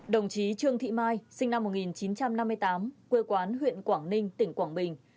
đồng chí trương thị mai sinh năm một nghìn chín trăm năm mươi tám quê quán huyện quảng ninh tỉnh quảng bình